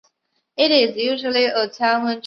大苞滨藜为藜科滨藜属下的一个变种。